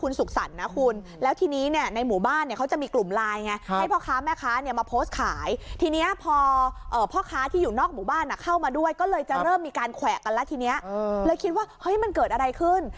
นอกหมู่บ้านเข้ามาด้วยก็เลยจะเริ่มมีการแขวกันแล้วทีนี้เลยคิดว่ามันเกิดอะไรขึ้น